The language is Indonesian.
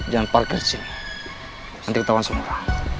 jangan parkir di sini nanti ketahuan semua